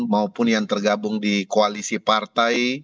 maupun yang tergabung di koalisi partai